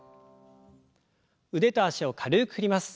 腕と脚を軽く振ります。